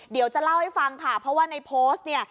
เดี๋ยวจะเล่าให้ฟังค่ะเพราะว่าในโพสต์เนี่ย